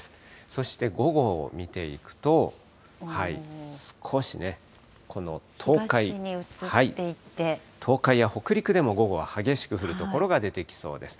そして、午後を見ていくと、少しね、東海。東海や北陸でも午後は激しく降る所が出てきそうです。